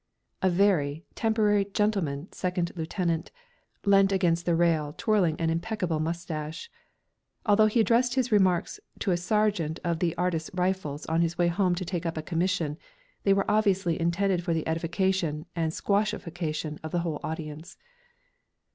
A very temporary "gentleman" second lieutenant leant against the rail twirling an imperceptible moustache. Although he addressed his remarks to a sergeant of the Artists' Rifles on his way home to take up a commission, they were obviously intended for the edification and squashification of the whole audience.